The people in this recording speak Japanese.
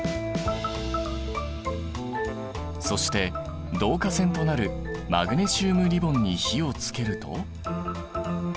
そして導火線となるマグネシウムリボンに火をつけると。